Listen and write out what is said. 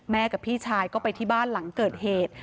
กับพี่ชายก็ไปที่บ้านหลังเกิดเหตุ